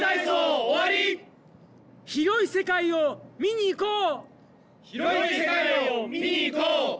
広い世界を見にいこう！